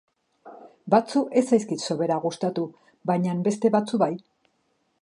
Batzu ez zaizkit sobera gustatu bainan beste batzu bai.